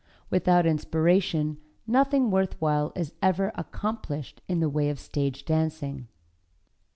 Without inspiration nothing worthwhile is ever accomplished in the way of stage dancing.